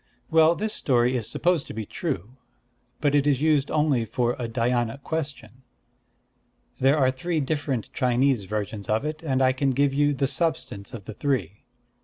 Well, this story is supposed to be true; but it is used only for a Dhyâna question. There are three different Chinese versions of it; and I can give you the substance of the three."